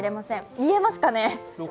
見えますかね。